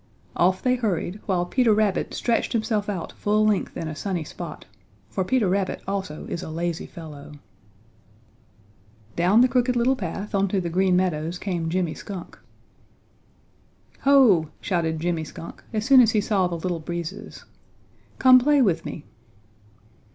Off they hurried, while Peter Rabbit stretched himself out full length in a sunny spot, for Peter Rabbit also is a lazy fellow. Down the Crooked Little Path onto the Green Meadows came Jimmy Skunk. "Ho!" shouted Jimmy Skunk as soon as he saw the Little Breezes, "come play with me."